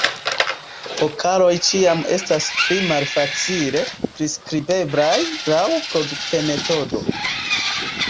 Vokaloj ĉiam estas pli malfacile priskribeblaj laŭ produktmetodo.